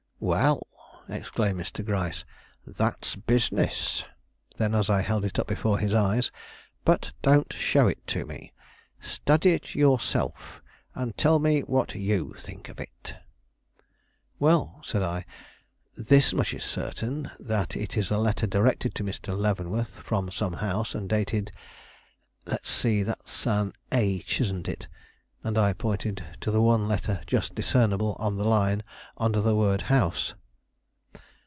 "Well!" exclaimed Mr. Gryce, "that's business." Then, as I held it up before his eyes: "But don't show it to me. Study it yourself, and tell me what you think of it." "Well," said I, "this much is certain: that it is a letter directed to Mr. Leavenworth from some House, and dated let's see; that is an h, isn't it?" And I pointed to the one letter just discernible on the line under the word House.